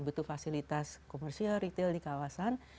butuh fasilitas komersial retail di kawasan